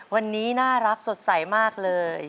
วันนี้น่ารักสดใสมากเลย